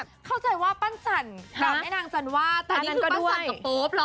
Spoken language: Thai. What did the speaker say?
เดี๋ยวเข้าใจว่าปั้นจันแล้วนางจันว่าแต่นี้คือปั้นจันกับโป๊ปหรอ